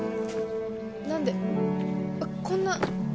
何でこんな。